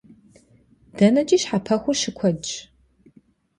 ДэнэкӀи щхьэпэхур щыкуэдщ.